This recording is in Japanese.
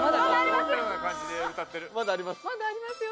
まだありますよ。